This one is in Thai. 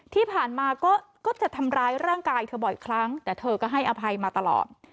ที่ผ่านมาก็จะทำร้ายร่างกายเธอบ่อยครั้งแต่เธอก็ให้อภัยมาตลอด